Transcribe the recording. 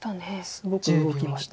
すごく動きました。